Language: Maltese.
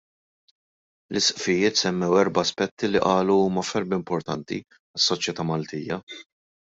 L-Isqfijiet semmew erba' aspetti li qalu huma ferm importanti għas-soċjetà Maltija.